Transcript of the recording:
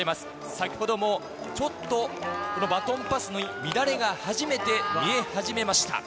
先ほどもちょっと、このバトンパスに乱れが初めて見え始めました。